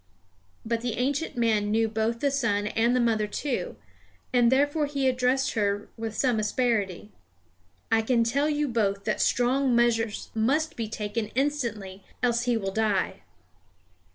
But the ancient man knew both the son and the mother too, and therefore he addressed her with some asperity: "I tell you both that strong measures must be taken instantly, else he will die."